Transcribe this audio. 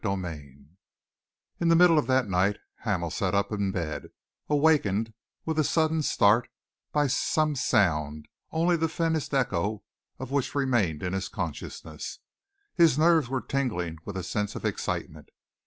CHAPTER XX In the middle of that night Hamel sat up in bed, awakened with a sudden start by some sound, only the faintest echo of which remained in his consciousness. His nerves were tingling with a sense of excitement.